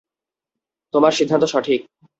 তোমার সিদ্ধান্ত সঠিক।